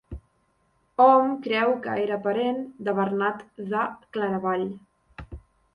Hom creu que era parent de Bernat de Claravall.